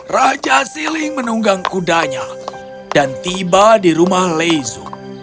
raja siling menunggang kudanya dan tiba di rumah lezu